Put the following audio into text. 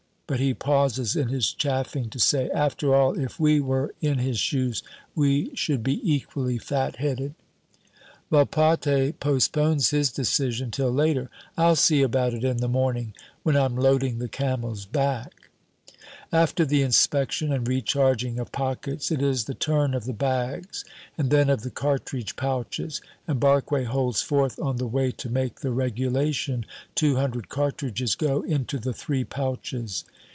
But he pauses in his chaffing to say, "After all, if we were in his shoes we should be equally fatheaded." Volpatte postpones his decision till later. "I'll see about it in the morning, when I'm loading the camel's back." After the inspection and recharging of pockets, it is the turn of the bags, and then of the cartridge pouches, and Barque holds forth on the way to make the regulation two hundred cartridges go into the three pouches.